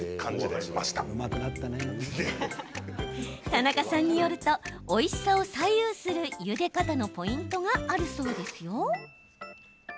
田中さんによるとおいしさを左右するゆで方のポイントがあるそうですよ。